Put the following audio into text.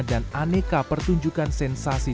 dan aneka pertunjukan sensasi